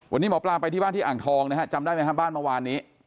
วันนี้หมอปลาไปที่บ้านที่อ่างทองนะฮะจำได้ไหมครับบ้านเมื่อวานนี้